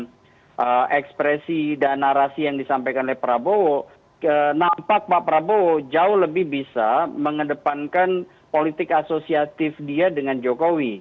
karena kita lihat kedekatan dengan ragam ekspresi dan narasi yang disampaikan oleh prabowo nampak pak prabowo jauh lebih bisa mengedepankan politik asosiatif dia dengan jokowi